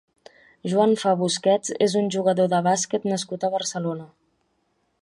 Joan Fa Busquets és un jugador de bàsquet nascut a Barcelona.